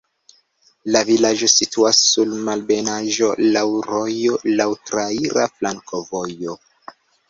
La vilaĝo situas sur malebenaĵo, laŭ rojo, laŭ traira flankovojo.